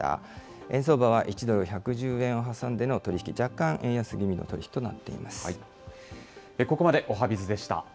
円相場は１ドル１１０円を挟んでの取り引き、若干円安気味の取り引きとなっています。